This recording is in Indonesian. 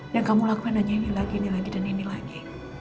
yang kamu lakukan hanya ini lagi ini lagi dan ini lagi